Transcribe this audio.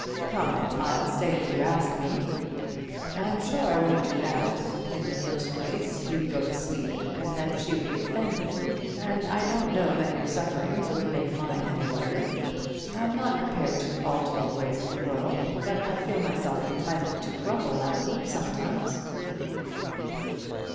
"Come, I'll stay if you'll ask me." "I'm sure I won't do that. In the first place you'd go to sleep, and then she would be offended; and I don't know that your sufferings would make mine any lighter. I'm not prepared to alter the ways of the world, but I feel myself entitled to grumble at them sometimes."